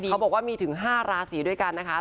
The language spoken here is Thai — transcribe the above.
เขาบอกว่ามีถึง๕ราศีด้วยกันนะคะ